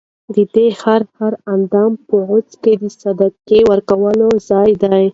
ددي هر هر اندام په عوض کي د صدقې ورکولو په ځای